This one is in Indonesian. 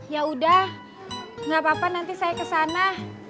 ya udah gak apa apa nanti saya kesana